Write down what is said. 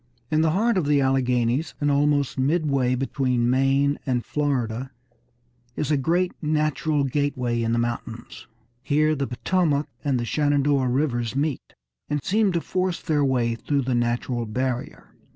In the heart of the Alleghanies, and almost midway between Maine and Florida, is a great natural gateway in the mountains. Here the Potomac and the Shenandoah Rivers meet, and seem to force their way through the natural barrier.